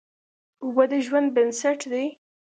اوبه د ژوند بنسټ دي.